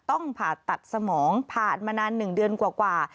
ต้องผ่าตัดสมองผ่านมานาน๑เดือนกว่า